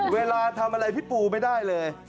เวลาทำอะไรพี่ปูไม่ได้เลย